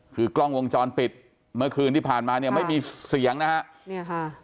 คือกล้องวงจรปิดเมื่อคืนที่ผ่านมาเนี่ยไม่มีเสียงนะฮะเนี่ยค่ะ